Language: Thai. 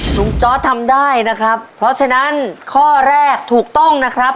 จอร์ดทำได้นะครับเพราะฉะนั้นข้อแรกถูกต้องนะครับ